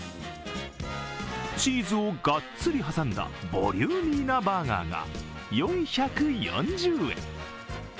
チーズをがっつり挟んだボリューミーなバーガーが４４０円。